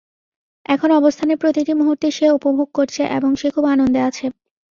এখন অবস্থানের প্রতিটি মুহূর্তে সে উপভোগ করছে এবং সে খুব আনন্দে আছে।